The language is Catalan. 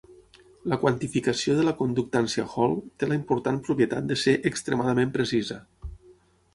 La quantificació de la conductància Hall té la important propietat de ser extremadament precisa.